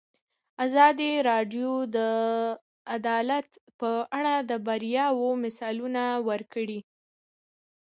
ازادي راډیو د عدالت په اړه د بریاوو مثالونه ورکړي.